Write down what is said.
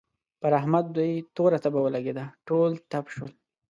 پر احمد دوی توره تبه ولګېده؛ ټول تپ شول.